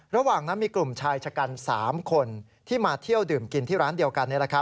ระหว่างนั้นมีกลุ่มชายชะกัน๓คนที่มาเที่ยวดื่มกินที่ร้านเดียวกัน